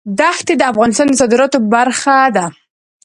دښتې د افغانستان د صادراتو برخه ده.